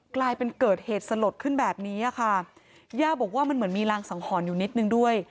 กลายเป็นเกิดเหตุสลดขึ้นแบบนี้อะค่ะย่าบอกว่ามันเหมือนมีรางสังหรณ์อยู่นิดนึงด้วย